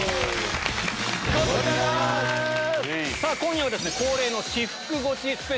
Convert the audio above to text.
今夜は恒例の。